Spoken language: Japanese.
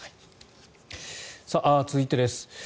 続いてです。